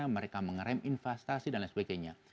mereka mengeram investasi dan lain sebagainya